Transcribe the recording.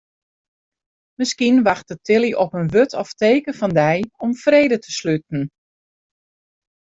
Miskien wachtet Tilly op in wurd of teken fan dy om frede te sluten.